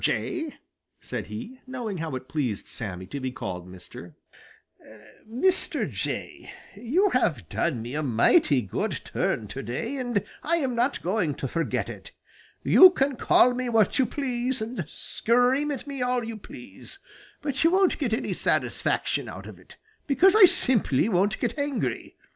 Jay," said he, knowing how it pleased Sammy to be called mister, "Mr. Jay, you have done me a mighty good turn to day, and I am not going to forget it. You can call me what you please and scream at me all you please, but you won't get any satisfaction out of it, because I simply won't get angry.